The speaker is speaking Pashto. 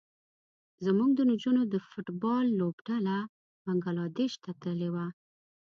زموږ د نجونو د فټ بال لوبډله بنګلادیش ته تللې وه.